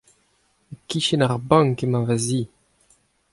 E-kichen ar bank emañ ma zi.